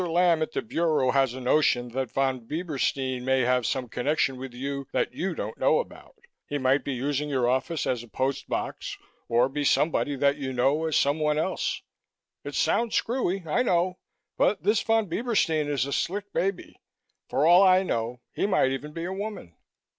Lamb at the Bureau has a notion that Von Bieberstein may have some connection with you that you don't know about. He might be using your office as a post box or be somebody that you know as someone else. It sounds screwy, I know, but this Von Bieberstein is a slick baby. For all I know, he might even be a woman."